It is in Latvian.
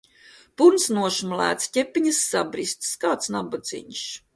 Purns nošmulēts, ķepiņas sabristas, kāds nabadziņš!